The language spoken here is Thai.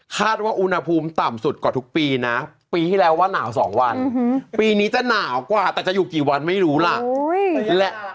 คาดว่าอุณหภูมิต่ำสุดกว่าทุกปีนะปีที่แล้วว่าหนาว๒วันปีนี้จะหนาวกว่าแต่จะอยู่กี่วันไม่รู้ล่ะ